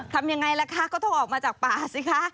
ทำยังไงล่ะคะก็ต้องออกมาจากป่าสิคะ